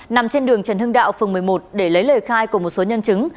nằm trên đường trần hưng đạo phường một mươi một để lấy lời khai của một số nhân chứng